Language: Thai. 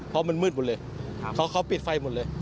เพราะมันมืดหมดเลยเขาปิดไฟหมดเลย